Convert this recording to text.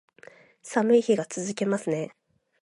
寒い日が続きますね